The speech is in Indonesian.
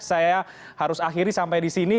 saya harus akhiri sampai di sini